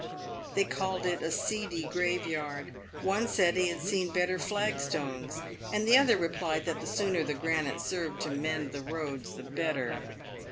They called it a seedy graveyard ; one said he had seen better flagstones ; and the other replied that the sooner the granite served to mend the roads the better.